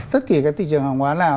tất cả các thị trường hàng hóa nào